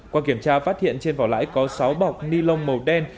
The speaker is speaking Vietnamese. qua kiểm tra phát hiện trên vỏ lãi có sáu bọc ni lông màu đen